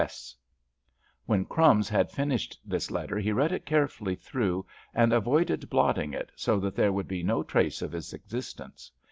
_—S." When "Crumbs" had finished this letter he read it carefully through and avoided blotting it, so that there could be no trace of its existence.